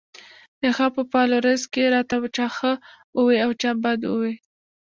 د هغه پۀ فالوورز کښې راته چا ښۀ اووې او چا بد اووې